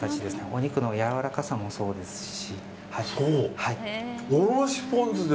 お肉のやわらかさもそうですし。